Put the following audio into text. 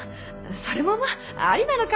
それもまぁありなのか？